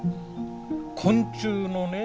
昆虫のね